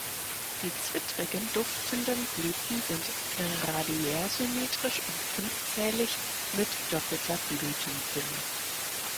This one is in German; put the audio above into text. Die zwittrigen, duftenden Blüten sind radiärsymmetrisch und fünfzählig mit doppelter Blütenhülle.